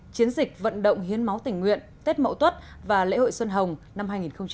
chiến dịch vận động hiến máu tỉnh nguyện tết mậu tuất và lễ hội xuân hồng năm hai nghìn một mươi tám